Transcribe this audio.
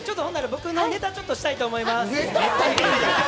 僕のネタ、ちょっとしたいと思います。